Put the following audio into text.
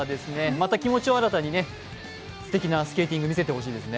また気持ちを新たにすてきなスケーティング、見せてほしいですね。